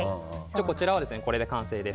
こちらはこれで完成です。